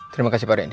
terima kasih pak reni